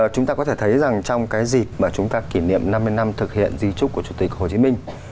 chúng ta có thể thấy rằng trong cái dịp mà chúng ta kỷ niệm năm mươi năm thực hiện di trúc của chủ tịch hồ chí minh